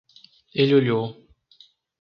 Ele olhou.